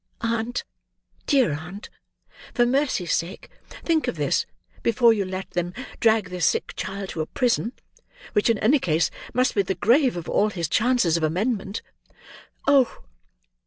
Aunt, dear aunt, for mercy's sake, think of this, before you let them drag this sick child to a prison, which in any case must be the grave of all his chances of amendment. Oh!